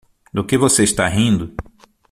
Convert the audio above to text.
Do que você está rindo?